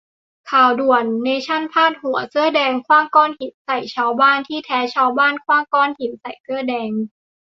"ข่าวด่วน" : เนชั่นพาดหัว "เสื้อแดง" ขว้างก้อนหินใส่ชาวบ้าน ที่แท้ชาวบ้านขว้างก้อนหินใส่เสื้อแดง